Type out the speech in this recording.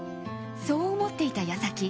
そう思っていた矢先